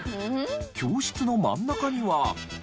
教室の真ん中には。